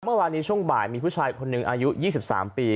เมื่อวานนี้ช่วงบ่ายมีผู้ชายคนหนึ่งอายุ๒๓ปี